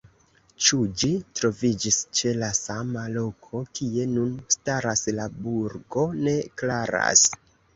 Ĉu ĝi troviĝis ĉe la sama loko kie nun staras la burgo ne klaras.